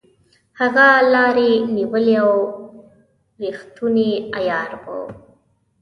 هغه لاري نیولې او ریښتونی عیار وو.